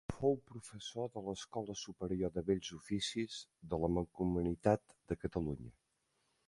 Fou professor de l'Escola Superior de Bells Oficis de la Mancomunitat de Catalunya.